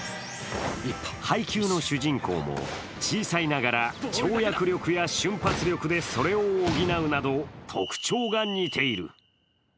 「ハイキュー！！」の主人公も小さいながら跳躍力や瞬発力でそれを補うなど特徴が似ている。